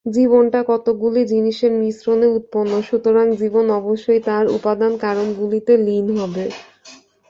জীবনটা কতকগুলি জিনিষের মিশ্রণে উৎপন্ন, সুতরাং জীবন অবশ্যই তার উপাদান-কারণগুলিতে লীন হবে।